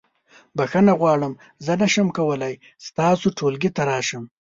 بخښنه غواړم زه نشم کولی ستاسو ټولګي ته راشم.